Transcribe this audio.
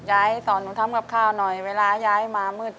ให้สอนหนูทำกับข้าวหน่อยเวลาย้ายมามืด